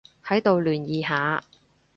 喺度聯誼下